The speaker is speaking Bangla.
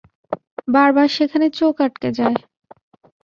বারবার সেখানে চোখ আটকে যায়।